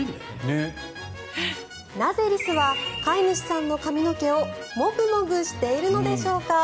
なぜリスは飼い主さんの髪の毛をモグモグしているのでしょうか。